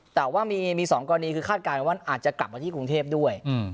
แต่ว่ามีมีสองกว่านี้คือคาดการณ์ว่าอาจจะกลับมาที่กรุงเทพด้วยอืม